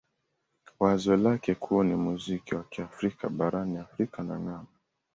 Wazo lake kuu ni muziki wa Kiafrika barani Afrika na ng'ambo.